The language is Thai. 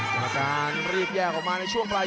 หาการลีบแกล้งออกมาในช่วงละยก